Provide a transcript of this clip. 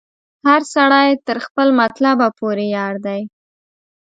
هر سړی خپل تر مطلبه پوري یار دی